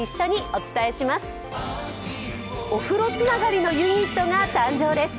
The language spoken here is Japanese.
お風呂つながりのユニットが誕生です。